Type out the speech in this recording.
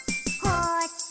「こっち」